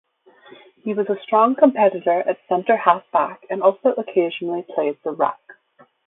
He was a strong competitor at centre half-back and also occasionally played the ruck.